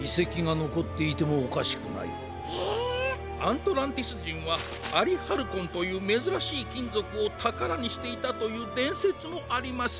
アントランティスじんはアリハルコンというめずらしいきんぞくをたからにしていたというでんせつもあります。